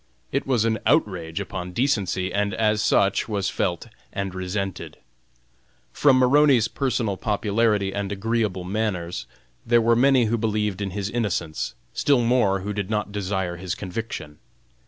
It was an outrage upon decency, and as such was felt and resented. From Maroney's personal popularity and agreeable manners, there were many who believed in his innocence, still more who did not desire his conviction.